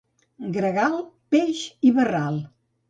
Gregal, peix i barral.